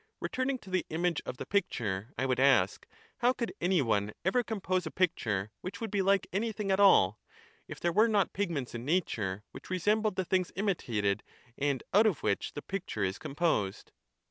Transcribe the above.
Returning to the image of the picture, I would ask. How could any one ever compose a picture which would be like anything at all, if there were not pigments in nature which resembled the things imitated, and out of which the picture is composed